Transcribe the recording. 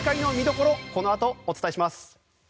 このあとお伝えします。